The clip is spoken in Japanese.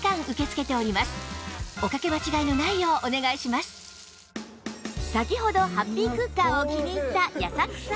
また先ほどハッピークッカーを気に入った矢作さん